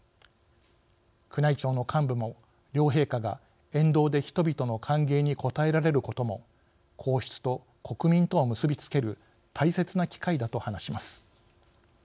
宮内庁の幹部も「両陛下が沿道で人々の歓迎に応えられることも皇室と国民とを結びつける大切な機会だ」と話します。